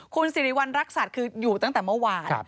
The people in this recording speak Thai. คุณสิริวัณรักษัตริย์คืออยู่ตั้งแต่เมื่อวาน